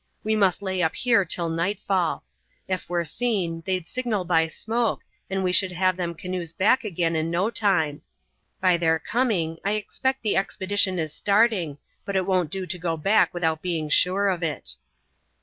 We must lay up here till nightfall. Ef we're seen they'd signal by smoke, and we should have them canoes back again in no time. By their coming I expect the expedition is starting, but it won't do to go back without being sure of it."